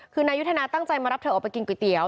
คือนายุทธนาตั้งใจมารับเธอออกไปกินก๋วเตี๋ย